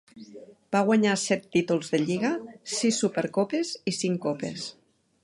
Va guanyar set títols de lliga, sis súper copes i cinc copes.